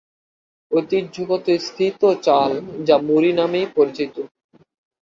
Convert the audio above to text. ঐতিহ্যগত স্ফীত চাল যা "মুড়ি" নামেই পরিচিত।